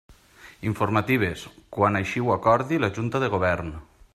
Informatives: quan així ho acordi la Junta de Govern.